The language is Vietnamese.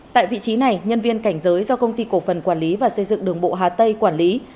tại vị trí này nhân viên cảnh giới do công ty cổ phần quản lý và xây dựng đường bộ hà tây quản lý